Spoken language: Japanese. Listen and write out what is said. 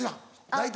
大体。